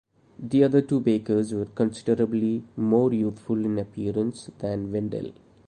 The other two bakers were considerably more youthful in appearance than Wendell.